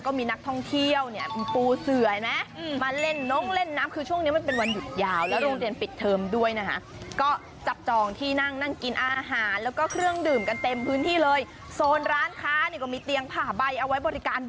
ก็มีนักท่องเที่ยวเนี่ยเป็นปูเสื่อยไหม